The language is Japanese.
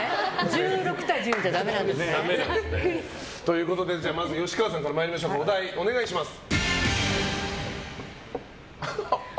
１６対１０じゃダメなんですね。ということでまず吉川さんからお題をお願いします。